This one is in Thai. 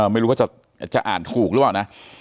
ไม่รู้ว่าจะอ่านถูกหรือเปล่านะ